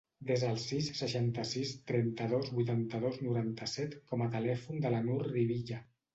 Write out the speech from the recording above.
Desa el sis, seixanta-sis, trenta-dos, vuitanta-dos, noranta-set com a telèfon de la Nur Rivilla.